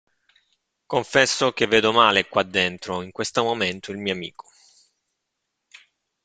Confesso che vedo male qua dentro, in questo momento, il mio amico.